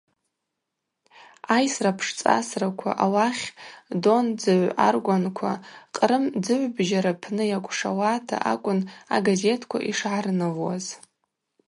Айсра пшцӏасраква ауахь Дон-дзыгӏв аргванква, Кърым дзыгӏвбжьа рапны йакӏвшауата акӏвын агазетква йшгӏарнылуаз.